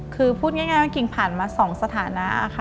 คือพูดง่ายกิ่งผ่านมาสองสถานะ